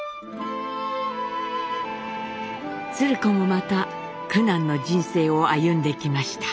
鶴子もまた苦難の人生を歩んできました。